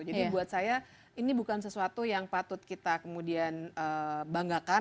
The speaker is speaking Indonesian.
jadi buat saya ini bukan sesuatu yang patut kita kemudian banggakan